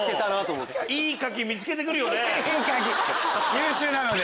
優秀なので。